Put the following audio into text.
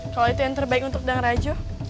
kalau itu yang terbaik untuk deng raja